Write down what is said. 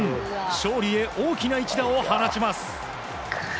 勝利へ大きな一打を放ちます。